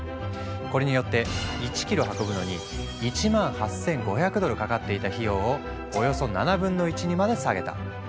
これによって１キロ運ぶのに１万８，５００ドルかかっていた費用をおよそ７分の１にまで下げた。